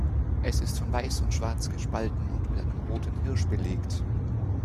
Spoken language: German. Es ist von Weiss und Schwarz gespalten und mit einem roten Hirsch belegt.